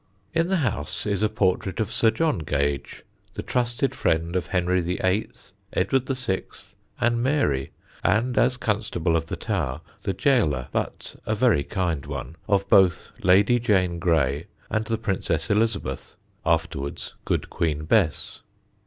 In the house is a portrait of Sir John Gage, the trusted friend of Henry VIII., Edward VI., and Mary, and, as Constable of the Tower, the gaoler (but a very kind one) of both Lady Jane Grey and the Princess Elizabeth, afterwards Good Queen Bess.